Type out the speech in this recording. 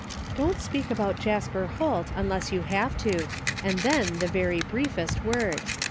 "Don't speak about Jasper Holt unless you have to, and then the very briefest word.